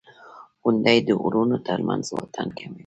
• غونډۍ د غرونو تر منځ واټن کموي.